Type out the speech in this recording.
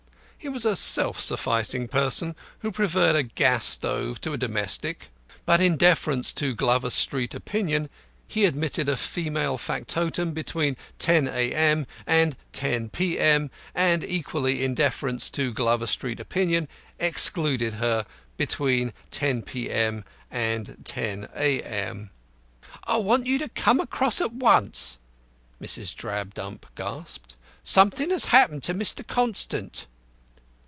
He was a self sufficing person, who preferred a gas stove to a domestic; but in deference to Glover Street opinion he admitted a female factotum between ten A.M. and ten P.M., and, equally in deference to Glover Street opinion, excluded her between ten P.M. and ten A.M. "I want you to come across at once," Mrs. Drabdump gasped. "Something has happened to Mr. Constant."